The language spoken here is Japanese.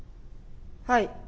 はい。